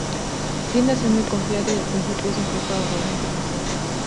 Tiende a ser muy confiado, y al principio es un poco arrogante y grosero.